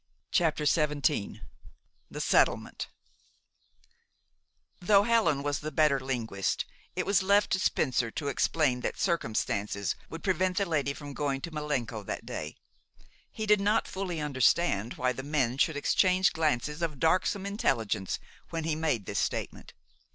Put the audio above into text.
CHAPTER XVII THE SETTLEMENT Though Helen was the better linguist, it was left to Spencer to explain that circumstances would prevent the lady from going to Malenco that day. He did not fully understand why the men should exchange glances of darksome intelligence when he made this statement.